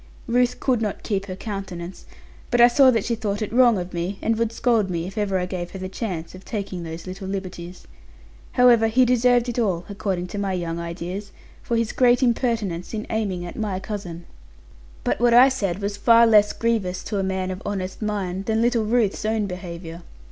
Ruth could not keep her countenance: but I saw that she thought it wrong of me; and would scold me, if ever I gave her the chance of taking those little liberties. However, he deserved it all, according to my young ideas, for his great impertinence in aiming at my cousin. But what I said was far less grievous to a man of honest mind than little Ruth's own behaviour.